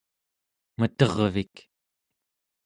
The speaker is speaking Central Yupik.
metervik